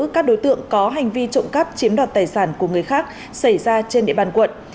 các đối tượng có hành vi trộm cắp chiếm đoạt tài sản của người khác xảy ra trên địa bàn quận